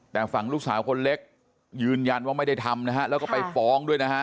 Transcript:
แต่ฝั่งลูกสาวคนเล็กยืนยันว่าไม่ได้ทำนะฮะแล้วก็ไปฟ้องด้วยนะฮะ